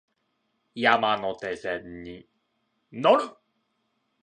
山手線に乗る